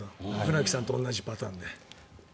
船木さんと同じパターンで。